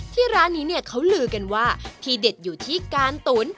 ร้านนี้เนี่ยเขาลือกันว่าที่เด็ดอยู่ที่การตุ๋น